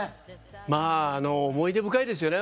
まぁ思い出深いですよね